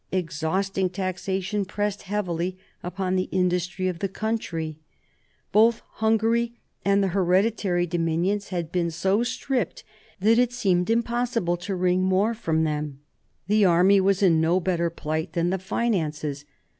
Exhausting taxation pressed heavily upon the industry of the country. Both Hungary and the hereditary dominions had been so stripped that it seemed impossible to wring more from them. The army was in no better plight than the finances.